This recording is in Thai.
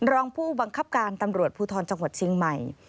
รองผู้บังคับการตำรวจภูทรจังหวัดเชียงใหม่